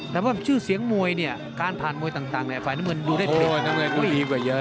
แต่ว่าชื่อเสียงมวยเนี่ยการผ่านตังในฝ่าน้ำเงินดูดีลงดี